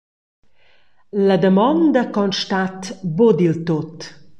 La damonda constat buca diltut.